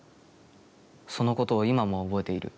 そのことは今も覚えている。